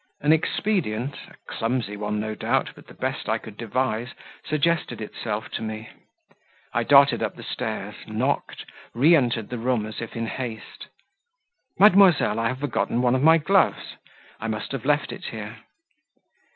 An expedient a clumsy one no doubt, but the best I could devise suggested itself to me. I darted up the stairs, knocked, re entered the room as if in haste: "Mademoiselle, I have forgotten one of my gloves; I must have left it here."